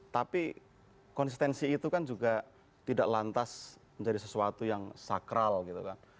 tapi konsistensi itu kan juga tidak lantas menjadi sesuatu yang sakral gitu kan